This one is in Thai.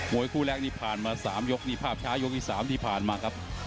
วยคู่แรกนี่ผ่านมา๓ยกนี่ภาพช้ายกที่๓ที่ผ่านมาครับ